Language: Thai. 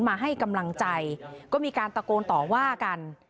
มาให้กำลังใจก็มีการตะโกนต่อว่ากัน